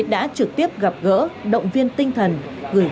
đã trực tiếp gặp gỡ động viên tinh thần gửi gắm tình cảm đến đoàn công tác